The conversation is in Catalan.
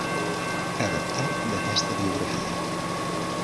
Adaptat d'aquesta biografia.